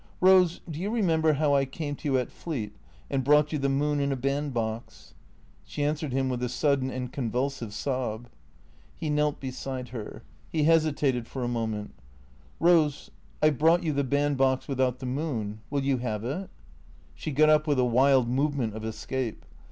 " Rose, do you remember how I came to you at Fleet, and brought you the moon in a band box ?" She answered him with a sudden and convulsive sob. He knelt beside her. He hesitated for a moment. " i^ose — I 've brought you the band box without the moon. Will you have it ?" She got up with a wild movement of escape.